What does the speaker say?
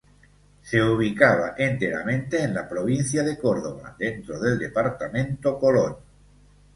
Se ubicaba enteramente en la provincia de Córdoba, dentro del Departamento Colón.